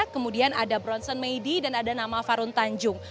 kemudian ada bronson meidi dan ada nama farun tanjung